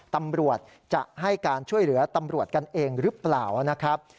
ตำรวจจะให้การช่วยเหลือตำรวจกันเองหรือเปล่านะครับ